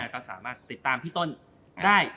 ก็สามารถติดตามพี่ต้นได้